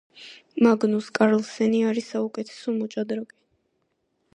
მაგნუს კარლსენი არის საუკეთესო მოჭადრაკე